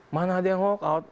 mana ada yang walkout